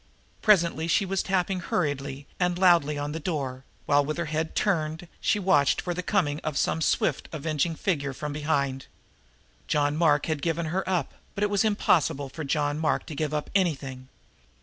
Presently she was tapping hurriedly and loudly on a door, while, with her head turned, she watched for the coming of some swift avenging figure from behind. John Mark had given her up, but it was impossible for John Mark to give up anything.